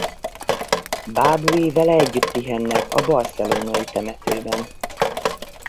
Bábui vele együtt pihennek a barcelonai temetőben.